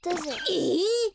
えっ！？